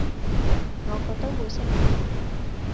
我覺得會升呀